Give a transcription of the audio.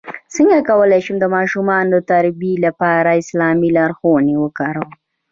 څنګه کولی شم د ماشومانو د تربیې لپاره اسلامي لارښوونې وکاروم